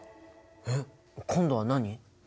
えっ今度は何？